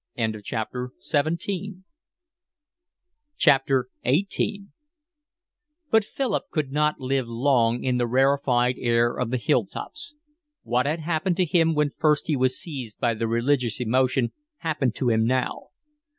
XVIII But Philip could not live long in the rarefied air of the hilltops. What had happened to him when first he was seized by the religious emotion happened to him now.